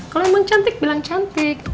kalau emang cantik bilang cantik